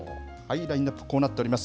ラインナップ、こうなっております。